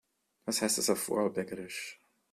Was heißt das auf Vorarlbergisch?